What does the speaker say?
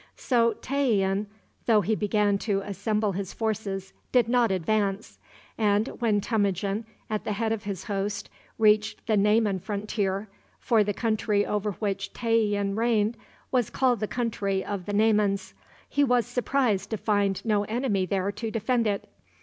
So Tayian, though he began to assemble his forces, did not advance; and when Temujin, at the head of his host, reached the Nayman frontier for the country over which Tayian reigned was called the country of the Naymans he was surprised to find no enemy there to defend it.